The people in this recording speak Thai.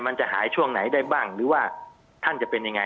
มันจะหายช่วงไหนได้บ้างหรือว่าท่านจะเป็นยังไง